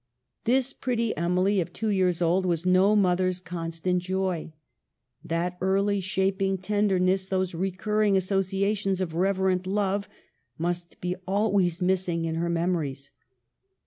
This pretty Emily of two years old was no mother's constant joy. That early shaping ten derness, those recurring associations of reverent love, must be always missing in her memories.